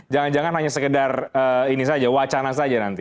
jangan jangan hanya sekedar ini saja wacana saja nanti